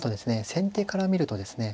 先手から見るとですね